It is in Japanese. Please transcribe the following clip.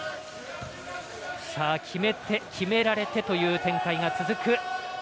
決めて決められてという展開が続く